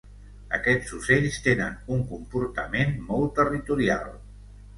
Aquests ocells tenen un comportament molt territorial.